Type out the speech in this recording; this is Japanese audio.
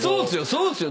そうっすよ！